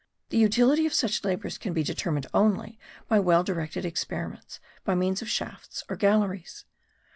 The utility of such labours can be determined only by well directed experiments by means of shafts or galleries.